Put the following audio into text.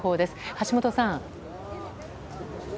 橋本さん。